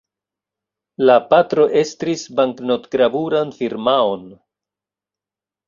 La patro estris banknot-gravuran firmaon.